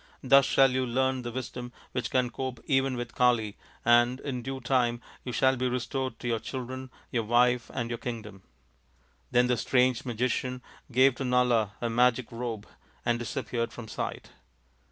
Thus shall you learn the wisdom which can cope even with Kali, and in due time you shall be restored to your children, your wife, and your kingdom." Then the strange magician gave to Nala a magic robe and disappeared from sight.